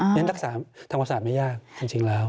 อย่างนั้นทำลักษณะไม่ยากจริงแล้ว